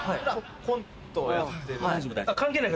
コントやってる。